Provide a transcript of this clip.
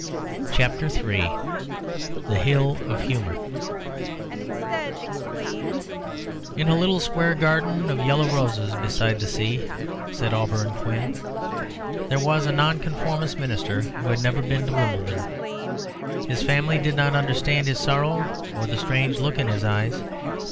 CHAPTER III The Hill of Humour "In a little square garden of yellow roses, beside the sea," said Auberon Quin, "there was a Nonconformist minister who had never been to Wimbledon. His family did not understand his sorrow or the strange look in his eyes.